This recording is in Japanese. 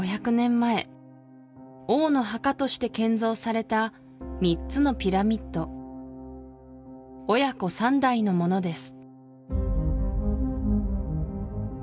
前王の墓として建造された３つのピラミッド親子三代のものです